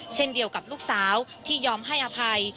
เช่นเดียวกับลูกสาวที่ยอมให้อภัย